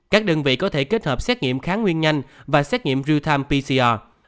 các đơn vị có thể kết hợp xét nghiệm kháng nguyên nhanh và xét nghiệm real time pcr